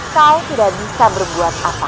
kau tidak bisa berbuat apa